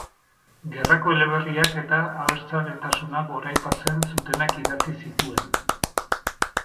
Gerrako eleberriak eta abertzaletasuna goraipatzen zutenak idatzi zituen.